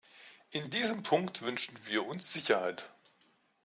In diesem Punkt wünschen wir uns Sicherheit.